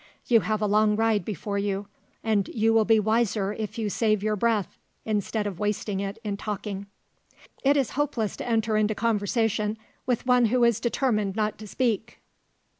You have a long ride before you, and you will be wiser if you save your breath, instead of wasting it in talking." It is hopeless to enter into conversation with one who is determined not to speak.